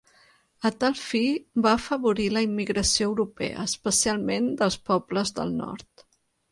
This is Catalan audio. A tal fi va afavorir la immigració europea, especialment dels pobles del nord.